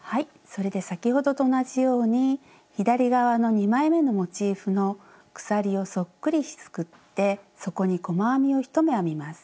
それで先ほどと同じように左側の２枚めのモチーフの鎖をそっくりすくってそこに細編みを１目編みます。